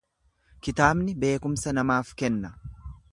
Kitaabni beekumsa namaaf kenna.